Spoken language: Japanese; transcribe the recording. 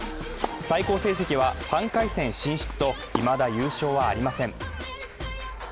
最高成績は３回戦進出といまだ優勝はありません。